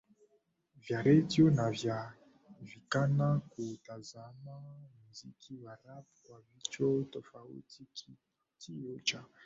vya redio navyo vikaanza kuutazama muziki wa Rap kwa jicho tofauti Kituo cha